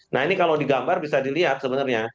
nah ini kalau digambar bisa dilihat sebenarnya